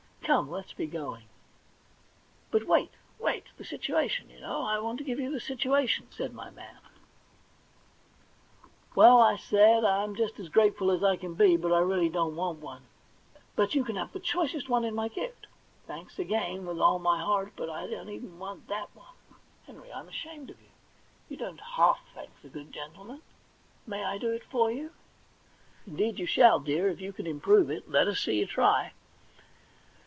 Come, let's be going.' * But wait, wait ! The situation, you know. I want to give you the situation,' said my man. THE £1,000,000 BANK NOTE 37 * Well,' I said, * I'm just as grateful as I can be, but really I don't want one.' * But you can have the very choicest one in my gift.' * Thanks again, with all my heart ; but I don't even want that one.' * Henry, I'm ashamed of you. You don't half thank the good gentleman. May I do it for you?' * Indeed you shall, dear, if you can improve it. Let us see you try.'